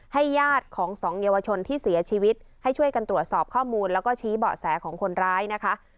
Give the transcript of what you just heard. ญาติของสองเยาวชนที่เสียชีวิตให้ช่วยกันตรวจสอบข้อมูลแล้วก็ชี้เบาะแสของคนร้ายนะคะ